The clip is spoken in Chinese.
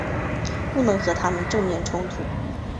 不能和他们正面冲突